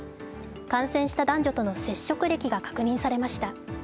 感染した男女との接触歴が確認されました。